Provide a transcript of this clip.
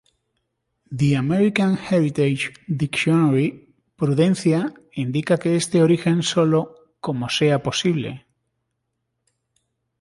The American Heritage Dictionary prudencia indica que este origen sólo como sea posible.